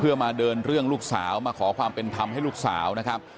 เพื่อมาเดินเรื่องลูกสาวมาขอความเป็นธรรมให้ลูกสาวนะครับ